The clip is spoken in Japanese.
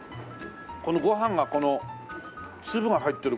このご飯がこの粒が入ってる。